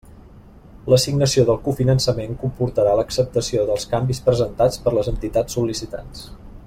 L'assignació del cofinançament comportarà l'acceptació dels canvis presentats per les entitats sol·licitants.